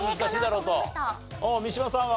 三島さんは？